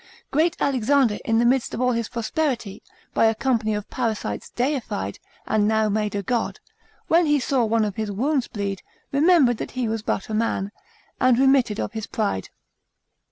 Great Alexander in the midst of all his prosperity, by a company of parasites deified, and now made a god, when he saw one of his wounds bleed, remembered that he was but a man, and remitted of his pride.